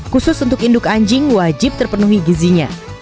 khusus untuk induk anjing wajib terpenuhi gizinya